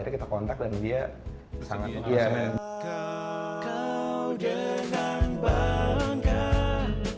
kita kontak dan dia sangat mengharuskan